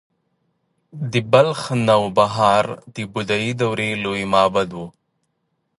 د بلخ نوبهار د بودايي دورې لوی معبد و